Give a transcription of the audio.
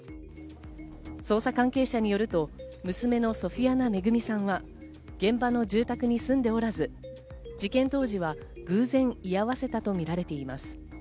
捜査関係者によると娘のソフィアナ恵さんは現場の住宅に住んでおらず、事件当時は偶然居合わせたとみられています。